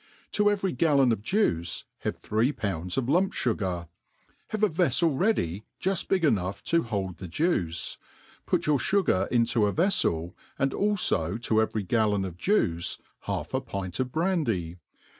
To every gallon of jiiice have three pounds of lump fiigar, have a vcflcl ready, juft big enough to hold the juice, put your fugar into a VefleJ, and alio to every gallon of juice half a pint of Brandy.